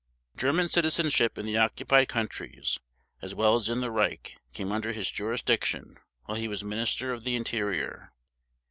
German citizenship in the occupied countries as well as in the Reich came under his jurisdiction while he was Minister of the Interior.